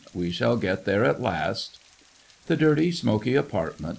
We shall get there at last." The dirty, smoky apartment